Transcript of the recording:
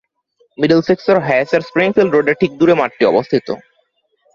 মিডলসেক্সের হ্যায়েসের স্প্রিংফিল্ড রোডের ঠিক দূরে মাঠটি অবস্থিত।